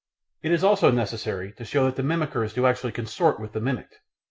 It is also necessary to show that the mimickers do actually consort with the mimicked.